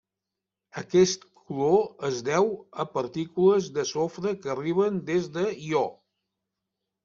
Aquest color es deu a partícules de sofre que arriben des de Ió.